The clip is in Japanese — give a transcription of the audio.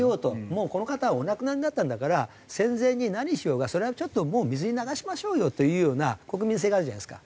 もうこの方はお亡くなりになったんだから生前に何しようがそれはちょっともう水に流しましょうよというような国民性があるじゃないですか。